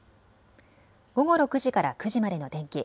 午後６時から９時までの天気。